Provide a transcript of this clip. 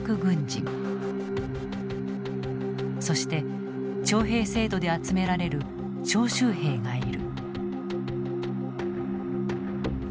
そして徴兵制度で集められる徴集兵がいる。